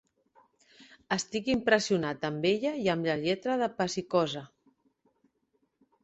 Estic impressionat amb ella i amb la lletra de Pecikoza.